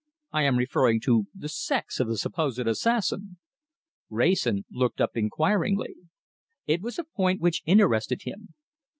I am referring to the sex of the supposed assassin!" Wrayson looked up inquiringly. It was a point which interested him.